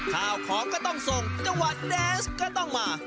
ข้าวของก็ต้องส่งจังหวัดแดนส์ก็ต้องมา